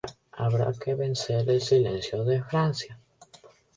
Habrá que vencer el silencio de Francia"".